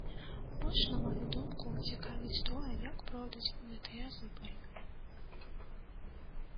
Больш, на маю думку, цікавіць тое, як пройдуць гэтыя выбары.